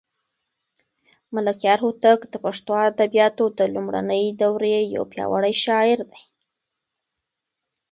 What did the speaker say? ملکیار هوتک د پښتو ادبیاتو د لومړنۍ دورې یو پیاوړی شاعر دی.